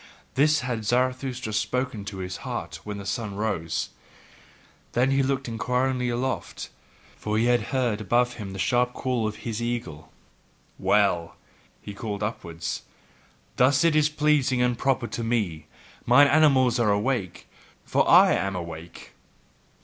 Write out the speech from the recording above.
This had Zarathustra spoken to his heart when the sun arose: then looked he inquiringly aloft, for he heard above him the sharp call of his eagle. "Well!" called he upwards, "thus is it pleasing and proper to me. Mine animals are awake, for I am awake.